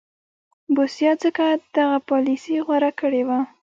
بوسیا ځکه دغه پالیسي غوره کړې وه.